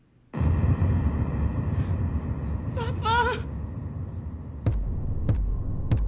パパ。